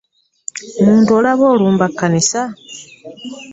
Omuntu olaba alumba kkanisa!